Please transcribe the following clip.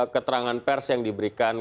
keterangan pers yang diberikan